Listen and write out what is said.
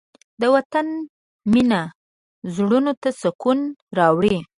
د وطن مینه زړونو ته سکون راوړي.